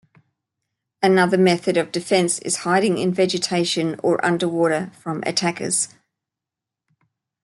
Another method of defense is hiding in vegetation or underwater from attackers.